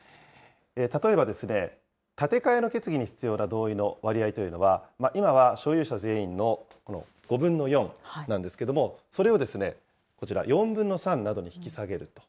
例えば、建て替えの決議に必要な同意の割合というのは、今は所有者全員のこの５分の４なんですけど、それをこちら、４分の３などに引き下げると。